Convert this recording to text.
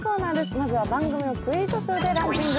まずは番組をツイート数でランキング。